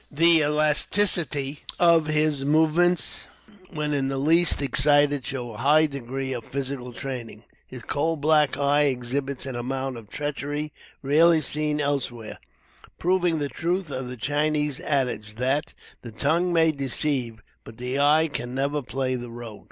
The elasticity of his movements, when in the least excited, shows a high degree of physical training. His coal black eye exhibits an amount of treachery rarely seen elsewhere, proving the truth of the Chinese adage, that "the tongue may deceive, but the eye can never play the rogue."